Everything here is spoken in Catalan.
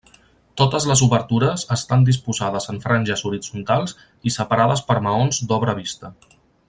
Totes les obertures estan disposades en franges horitzontals i separades per maons d'obra vista.